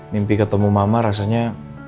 mimpi ketemu mama rasanya